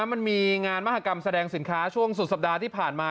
มันมีงานมหากรรมแสดงสินค้าช่วงสุดสัปดาห์ที่ผ่านมา